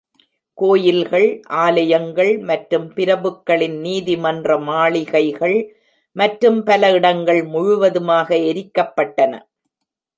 கோயில்கள், ஆலயங்கள் மற்றும் பிரபுக்களின் நீதிமன்ற மாளிகைகள் மற்றும் பல இடங்கள் முழுவதுமாக எரிக்கப்பட்டன.